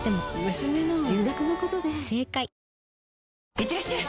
いってらっしゃい！